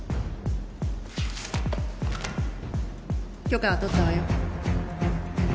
許可は取ったわよ。